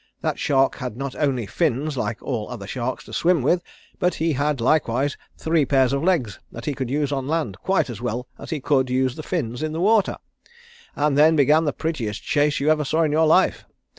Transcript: That shark had not only fins like all other sharks to swim with, but he had likewise three pairs of legs that he could use on land quite as well as he could use the fins in the water. And then began the prettiest chase you ever saw in your life.